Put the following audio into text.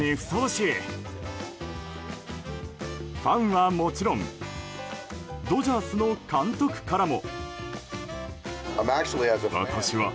ファンはもちろんドジャースの監督からも。